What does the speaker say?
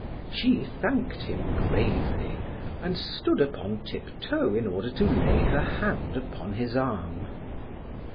She thanked him gravely and stood upon tiptoe in order to lay her hand upon his arm.